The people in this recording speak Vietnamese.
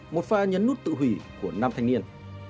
một pha nhấn nút tự hủy của nam thanh niên